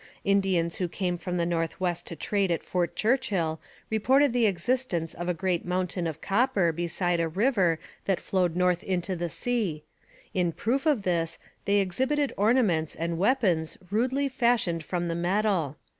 Indians who came from the north west to trade at Fort Churchill reported the existence of a great mountain of copper beside a river that flowed north into the sea; in proof of this, they exhibited ornaments and weapons rudely fashioned from the metal.